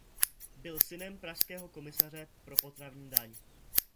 Byl synem pražského komisaře pro potravní daň.